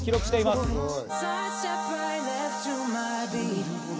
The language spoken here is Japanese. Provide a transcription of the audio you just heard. すごい！